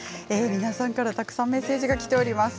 皆さんからたくさんメッセージがきております。